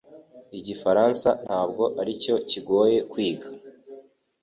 Igifaransa ntabwo aricyo kigoye kwiga